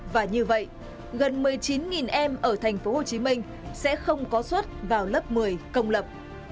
và như vậy gần một mươi chín em ở tp hcm sẽ không có xuất vào lớp một mươi công lập